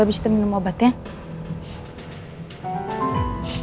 habis itu minum obat ya